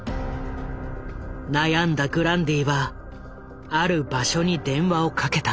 悩んだグランディはある場所に電話をかけた。